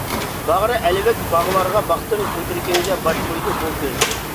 باغرى ئەلۋەك باغلارغا باقتىم، كۆكرىكىمگە باش قويدى بۇ كۆز.